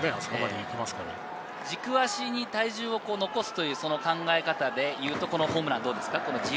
軸足に体重を残すという考え方でいうと、このホームランはどうですか？